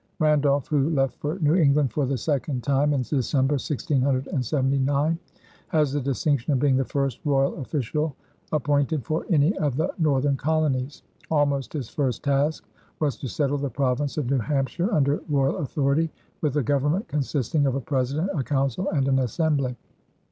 Randolph, who left for New England for the second time, in December, 1679, has the distinction of being the first royal official appointed for any of the northern colonies. Almost his first task was to settle the province of New Hampshire under royal authority, with a government consisting of a president, a council, and an assembly.